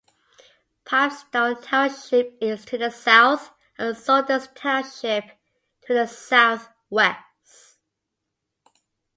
Pipestone Township is to the south, and Sodus Township to the southwest.